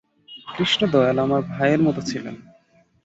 কৃষ্ণদয়াল আমার ভাইয়ের মতো ছিলেন।